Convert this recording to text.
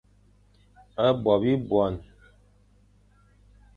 A Bo bibuane.